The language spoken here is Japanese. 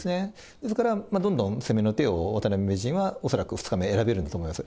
ですからどんどん攻めの手を渡辺名人は恐らく２日目選べると思います。